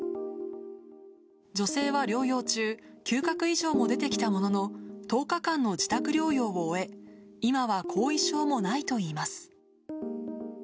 女性は療養中、嗅覚異常も出てきたものの、１０日間の自宅療養を終え、今は後遺症もないといいます。